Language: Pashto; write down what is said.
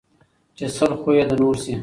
ـ چې سل خويه د نور شي